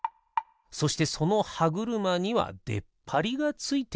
そしてそのはぐるまにはでっぱりがついている。